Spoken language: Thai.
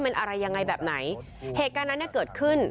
มันอะไรยังไงแบบไหนเหตุการณ์นั้นเนี่ยเกิดขึ้น